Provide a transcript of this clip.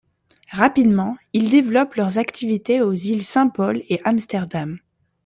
Rapidement, ils développent leurs activités aux îles Saint-Paul et Amsterdam.